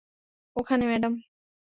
ওখানে, ম্যাডাম।